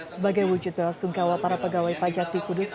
sebagai wujud berasungkawa para pegawai pajak di kudus